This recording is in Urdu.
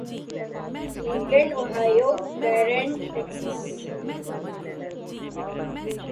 Cleveland Ohio گارینڈ Texas